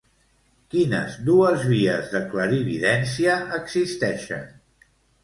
Quines dues vies de clarividència existeixen?